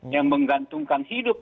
yang menggantungkan hidup